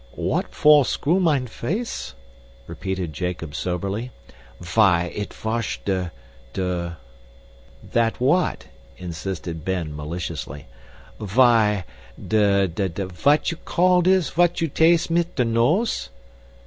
"What for screw mine face?" repeated Jacob soberly. "Vy, it vash de de " "That what?" insisted Ben maliciously. "Vy, de de vat you call dis, vat you taste mit de nose?"